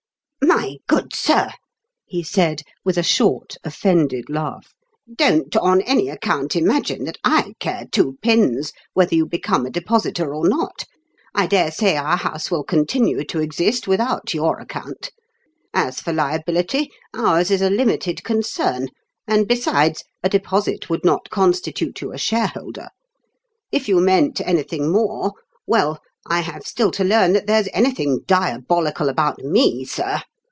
" My good sir !" he said, with a short offended laugh, "don't, on any account, im agine that I care two pins whether you be come a depositor or not. I dare say our house will continue to exist without your account. As for liability, ours is a limited concern ; and, besides, a deposit would not constitute you a shareholder. If you meant anything more well, I have still to learn that there's any thing diabolical about me, sir!